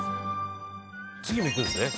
「次に行くんですね」